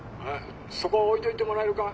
そこ置いといてもらえるか？」。